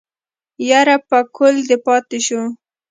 يره پکول دې پاتې شو.